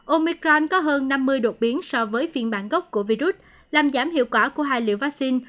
omicron có hơn năm mươi đột biến so với phiên bản gốc của virus làm giảm hiệu quả của hai liều vaccine